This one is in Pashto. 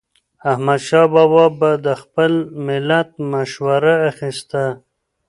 احمدشاه بابا به د خپل ملت مشوره اخیسته.